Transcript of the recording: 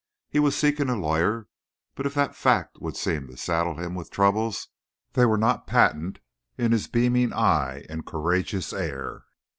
He was seeking a lawyer; but if that fact would seem to saddle him with troubles they were not patent in his beaming eye and courageous air.